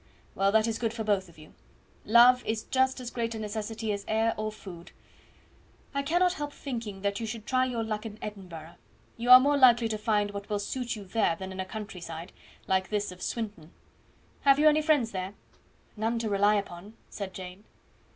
"Well, that is good for both of you; love is just as great a necessity as air or food. I cannot help thinking that you should try your luck in Edinburgh; you are more likely to find what will suit you there than in a country side, like this of Swinton. Have you any friends there?" "None to rely upon," said Jane.